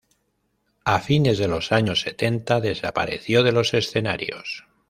A fines de los años setenta desapareció de los escenarios.